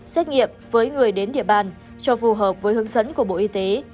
xét nghiệm với người đến địa bàn cho phù hợp với hướng dẫn của bộ y tế